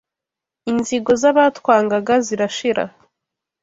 Inzigo z’abatwangaga zirashira